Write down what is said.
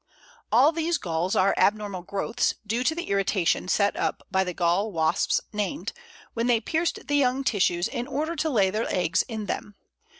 All these galls are abnormal growths, due to the irritation set up by the Gall wasps named, when they pierced the young tissues in order to lay their eggs in them.